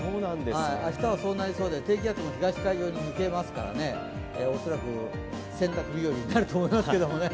明日はそうなりそうで低気圧も東海上に抜けますから、恐らく洗濯日和になると思いますけどね。